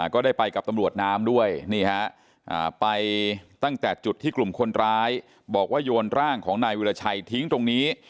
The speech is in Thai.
ก็ได้ไปกับตำรวจน้ำด้วยนี่ฮะไปตั้งแต่จุดที่กลุ่มคนร้ายบอกว่าโยนร่างของนายวิราชัยทิ้งตรงนี้